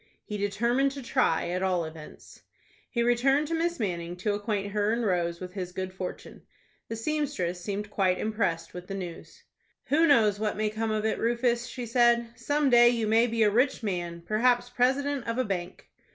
He determined to try, at all events. He returned to Miss Manning to acquaint her and Rose with his good fortune. The seamstress seemed quite impressed with the news. "Who knows what may come of it, Rufus?" she said. "Some day you may be a rich man,—perhaps president of a bank."